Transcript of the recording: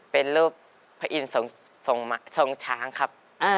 เป็นรูปพระอินทร์ทรงช้างครับ